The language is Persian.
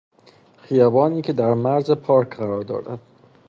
خیابانی که در مرز پارک قرار دارد